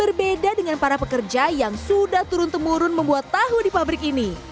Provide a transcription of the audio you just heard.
berbeda dengan para pekerja yang sudah turun temurun membuat tahu di pabrik ini